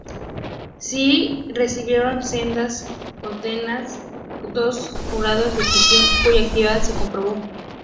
Sí recibieron sendas condenas dos conjurados de Pisón cuya actividad se comprobó.